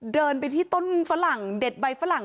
เดินไปที่ต้นฝรั่งเด็ดใบฝรั่ง